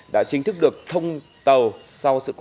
đã chính thức được thông tàu